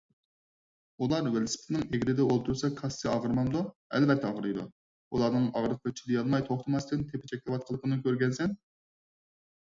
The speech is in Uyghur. _ ئۇلار ۋېلىسىپىتنىڭ ئېگىرىدە ئولتۇرسا كاسسىسى ئاغرىمامدۇ؟ _ ئەلۋەتتە ئاغرىيدۇ، ئۇلارنىڭ ئاغرىققا چىدىيالماي توختىماستىن تېپىچەكلەۋاتقانلىقىنى كۆرگەنىسەن.